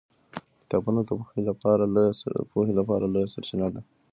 کتابونه د پوهې لویه سرچینه ده